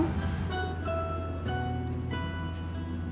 buat bantuin bikin kue